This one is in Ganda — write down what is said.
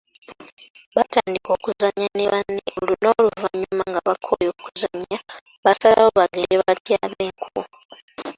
Yatandika okuzannya ne banne n’oluvanyuma nga bakooye okuzannya baasalawo bagende batyabe enku.